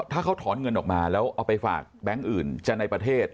ถ้าเขาถอนเงินออกมาแล้วเอาไปฝากแบงค์อื่นจะในประเทศ